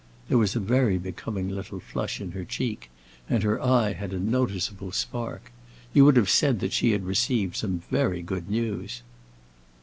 There was a very becoming little flush in her cheek, and her eye had a noticeable spark. You would have said that she had received some very good news.